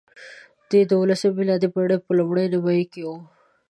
دی د اوولسمې میلادي پېړۍ په لومړۍ نیمایي کې وو.